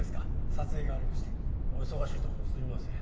撮影がありましてお忙しいところすみません